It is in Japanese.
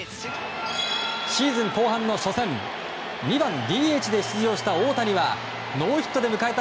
シーズン後半の初戦２番ＤＨで出場した大谷はノーヒットで迎えた